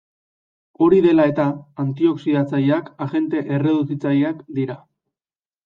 Hori dela eta, antioxidatzaileak agente erreduzitzaileak dira.